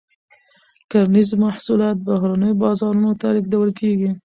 کرنیز محصولات بهرنیو بازارونو ته لیږل کیږي.